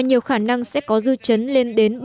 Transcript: nhiều khả năng sẽ có dư chấn lên đến